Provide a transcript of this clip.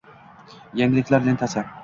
Yangiliklar lentasi